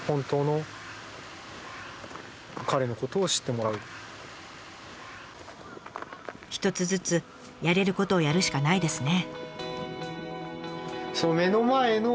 こちら側としては一つずつやれることをやるしかないですね。